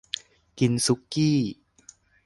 กินสุกี้